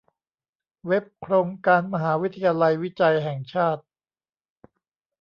เว็บ โครงการมหาวิทยาลัยวิจัยแห่งชาติ